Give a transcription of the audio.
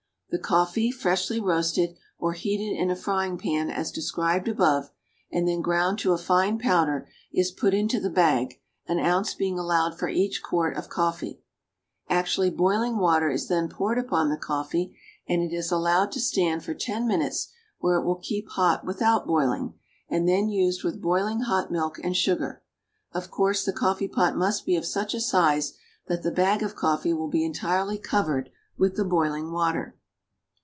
The coffee, freshly roasted, or heated in a frying pan, as described above, and then ground to a fine powder, is put into the bag, an ounce being allowed for each quart of coffee; actually boiling water is then poured upon the coffee, and it is allowed to stand for ten minutes where it will keep hot without boiling, and then used with boiling hot milk and sugar. Of course the coffee pot must be of such a size that the bag of coffee will be entirely covered with the boiling water.